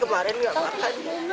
ketika dianggap terlalu banyak